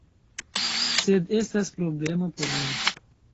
Sed estas problemo por mi.